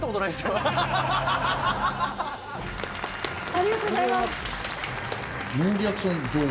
ありがとうございます。